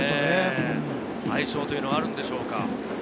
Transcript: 相性というのがあるんでしょうか。